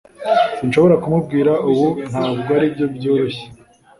Sinshobora kumubwira ubu Ntabwo aribyo byoroshye